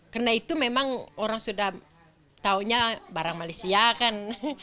karena itu memang orang sudah tahunya barang malaysia kan